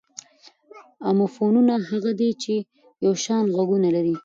اموفونونه هغه دي، چي یو شان ږغونه لري.